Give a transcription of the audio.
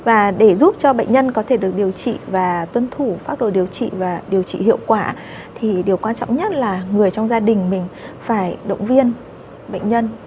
và để giúp cho bệnh nhân có thể được điều trị và tuân thủ pháp đồ điều trị và điều trị hiệu quả thì điều quan trọng nhất là người trong gia đình mình phải động viên bệnh nhân